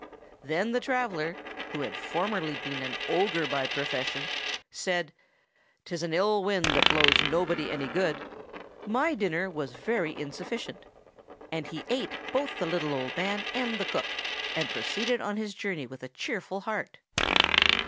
Then the traveller, who had formerly been an ogre by profession, said, "'Tis an ill wind that blows nobody any good! My dinner was very insufficient;" and he ate both the little old man and the cook, and proceeded on his journey with a cheerful heart.